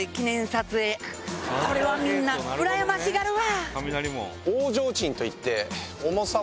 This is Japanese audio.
これはみんなうらやましがるわ！